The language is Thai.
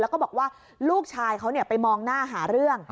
แล้วก็บอกว่าลูกชายเขาไปมองหน้าหาเรื่อง